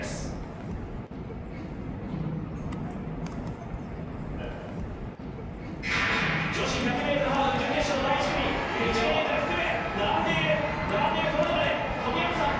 Ｓｅｔ女子１００ｍハードル準決勝の第１組１レーンから福部並んでいる並んでいるその中でトビ・アムサン